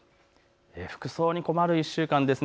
服装に困る１週間です。